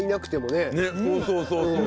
ねっそうそうそうそう。